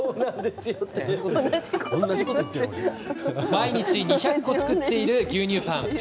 毎日２００個作っている牛乳パン。